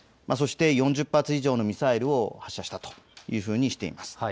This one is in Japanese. そして４０発以上のミサイルを発射したとしています。